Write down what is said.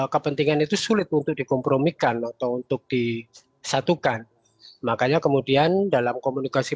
kepentingan itu sulit untuk dikompromikan atau untuk disatukan makanya kemudian dalam komunikasi